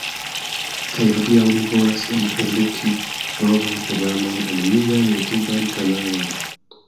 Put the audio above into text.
Kaj hodiaŭ mi volas enkonduki novan programon en mian jutuban kanalon